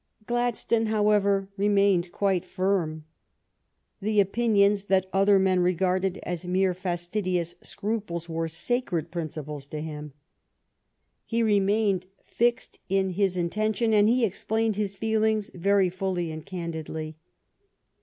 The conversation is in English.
Gladstone, however, remained quite firm. The opinions that other men regarded as mere fastidi ous scruples were sacred principles to him. He remained fixed in his intention, and he explained his feelings very fully and candidly.